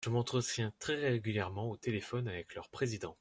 Je m’entretiens très régulièrement au téléphone avec leurs présidents.